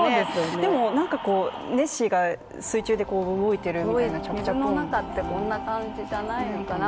でも、なんかネッシーが水中で動いてるみたいな水の中ってこんな感じじゃないのかな？